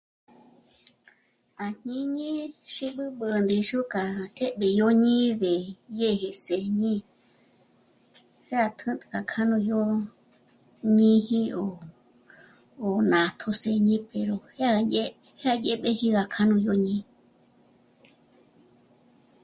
À jñíñi xí b'ǚb'ü ndíxu k'a jë́bi yó ñǐd'e dyéje sjéñi já k'ǘk'a k'a nó'o yó... míji ó ó nátjo sjéñi pero jǎndye já dyéb'eji gá k'anu yó ñí'i